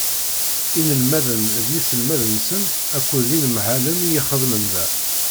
Inelmaden d yiselmaden-nsen akked yinemhalen i ixeddmen da.